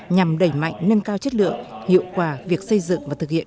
nhằm đẩy mạnh nâng cao chất lượng hiệu quả việc xây dựng và thực hiện